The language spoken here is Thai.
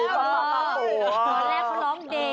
ดรสาวเสร็จถึงเพราะน้องเด็ก